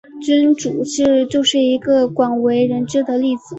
君主制就是一个广为人知的例子。